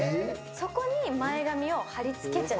そこに前髪を貼り付けちゃう。